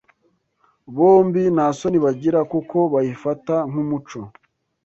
Bombi nta soni bagira kuko bayifata nk’umuco